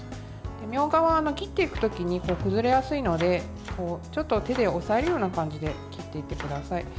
みょうがは切っていく時に崩れやすいのでちょっと手で押さえるような感じで切っていってください。